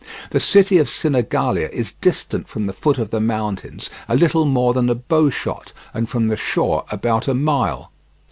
The city of Sinigalia is distant from the foot of the mountains a little more than a bow shot and from the shore about a mile.